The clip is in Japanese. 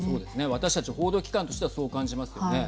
私たち報道機関としてはそう感じますよね。